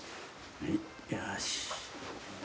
はいよし。